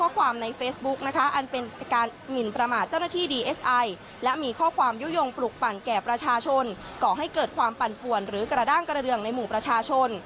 แก่ประชาชนก่อให้เกิดความปั่นป่วนหรือกระด้างกระเรืองในหมู่ประชาชน